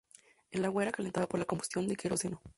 El agua era calentada por la combustión de queroseno.